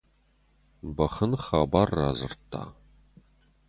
Бӕх ын хабар радзырдта.